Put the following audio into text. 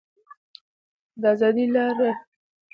د ازادۍ لاره په قربانۍ او هوښیارۍ جوړېږي.